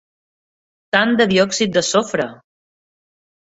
Tant de diòxid de sofre!